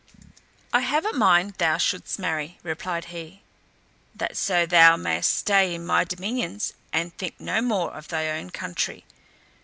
"I have a mind thou shouldst marry," replied he, "that so thou mayst stay in my dominions, and think no more of thy own country."